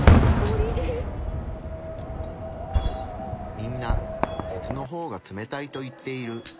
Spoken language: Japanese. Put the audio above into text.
みんな鉄の方が冷たいと言っている。